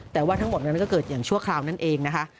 แต่ว่าทั้งหมดนั้นก็เกิดอย่างชั่วคราวนั่นเองนะคะ